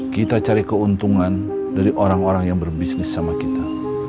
kita cari keuntungan dari orang orang yang berbisnis sama kita